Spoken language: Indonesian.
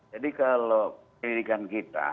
jadi kalau penyelidikan kita